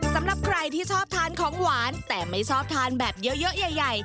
สำหรับใครที่ชอบทานของหวานแต่ไม่ชอบทานแบบเยอะใหญ่